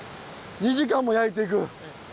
２時間も焼いていく⁉